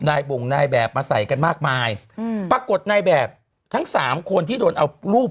บ่งนายแบบมาใส่กันมากมายอืมปรากฏนายแบบทั้งสามคนที่โดนเอารูป